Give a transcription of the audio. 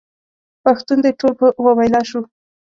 پښتون دې ټول په واویلا شو.